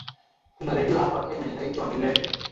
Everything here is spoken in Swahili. Kuna redio hapa Kenya inaitwa Milele.